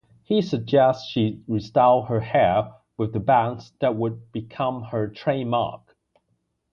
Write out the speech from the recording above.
He suggests she restyle her hair with the bangs that would become her trademark.